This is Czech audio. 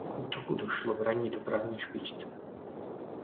K útoku došlo v ranní dopravní špičce.